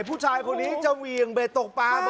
ผู้ชายคนนี้จะเหวี่ยงเบ็ดตกปลา